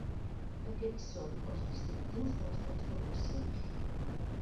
Aquests són els distintius de les transformacions.